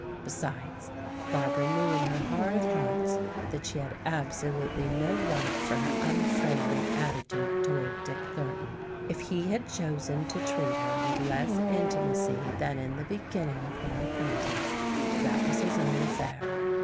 Beside, Barbara knew in her heart of hearts that she had absolutely no right for her unfriendly attitude toward Dick Thornton. If he had chosen to treat her with less intimacy than in the beginning of their acquaintance, that was his own affair.